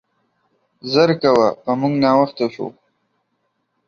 زر کوه, په مونګ ناوخته شو.